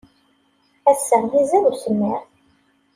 Ass-a, izad usemmiḍ.